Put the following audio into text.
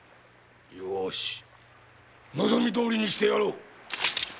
よし望みどおりにしてやろう。